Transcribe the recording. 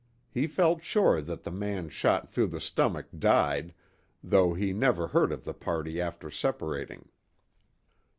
He felt sure that the man shot through the stomach died, though he never heard of the party after separating.